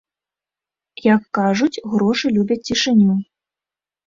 Як кажуць, грошы любяць цішыню.